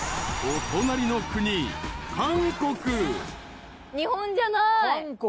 ［お隣の国韓国］日本じゃない。